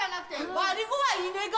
悪ぃ子はいねえが。